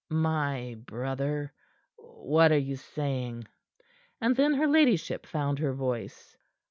"My brother? What are you saying?" And then her ladyship found her voice.